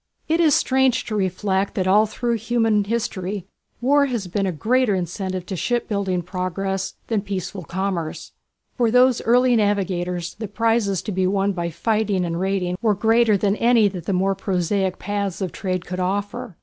It is strange to reflect that all through human history war has been a greater incentive to shipbuilding progress than peaceful commerce. For those early navigators the prizes to be won by fighting and raiding were greater than any that the more prosaic paths of trade could offer.